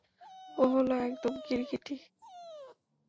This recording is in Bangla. ও হলো একদম গিরগিটি।